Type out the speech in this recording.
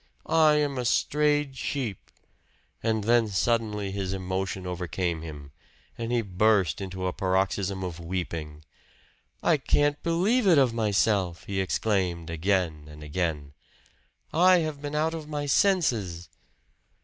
I am a strayed sheep!" And then suddenly his emotion overcame him, and he burst into a paroxysm of weeping. "I can't believe it of myself!" he exclaimed again and again. "I have been out of my senses!"